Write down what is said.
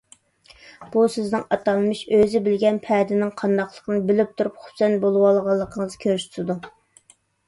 بۇ سىزنىڭ ئاتالمىش ئۆزى بىلگەن پەدىنىڭ قانداقلىقىنى بىلىپ تۇرۇپ خۇپسەن بولۇۋالغانلىقىڭىزنى كۆرسىتىدۇ.